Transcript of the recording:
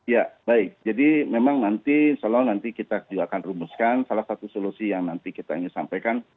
ya baik jadi memang nanti insya allah nanti kita juga akan rumuskan salah satu solusi yang nanti kita ingin sampaikan